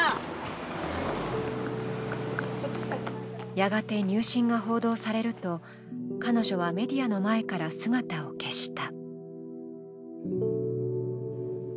やがて入信が報道されると、彼女はメディアの前から姿を消した。